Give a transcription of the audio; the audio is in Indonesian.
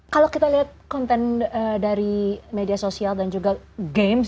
kalau kita lihat konten dari media sosial dan juga games